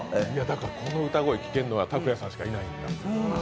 この歌声聞けるのはＴａｋｕｙａさんしかいないんだ。